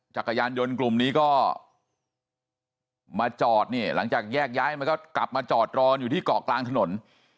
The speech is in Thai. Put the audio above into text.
จักรยานยนต์กลุ่มนี้ก็มาจอดเนี่ยหลังจากแยกย้ายมันก็กลับมาจอดรอนอยู่ที่เกาะกลางถนน